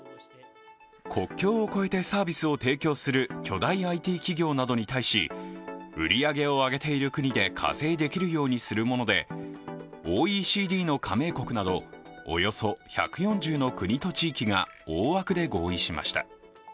国境を越えてサービスを提供する巨大ＩＴ企業などに対し売り上げを上げている国で課税できるようにするものでＯＥＣＤの加盟国などおよそ１４０の国と地域が大枠で合意しました。